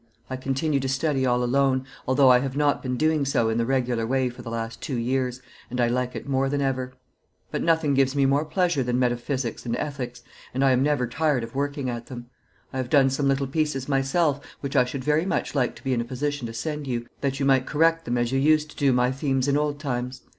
I continue to study all alone, although I have not been doing so in the regular way for the last two years, and I like it more than ever. But nothing gives me more pleasure than metaphysics and ethics, and I am never tired of working at them. I have done some little pieces myself, which I should very much like to be in a position to send you, that you might correct them as you used to do my themes in old times.